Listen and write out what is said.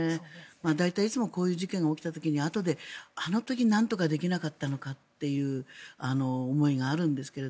大体いつもこういう事件が起きた時にあとであの時何かできなかったのかという思いがあるんですけれど